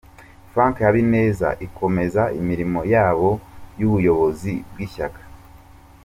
Frank Habineza ikomeza imirimo yabo y’ubuyobozi bw’ishyaka.